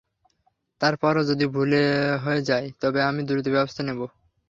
তার পরও যদি ভুল হয়ে যায়, তবে আমি দ্রুত ব্যবস্থা নেব।